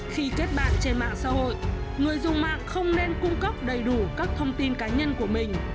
khi kết bạn trên mạng xã hội người dùng mạng không nên cung cấp đầy đủ các thông tin cá nhân của mình